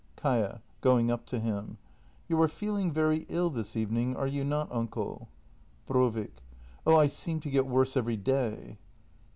Kaia. [Going up to him.] You are feeling very ill this even ing, are you not, uncle? Brovik. Oh, I seem to get worse every day.